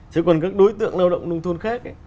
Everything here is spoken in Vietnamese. chứ còn các đối tượng lao động nông thôn khác ấy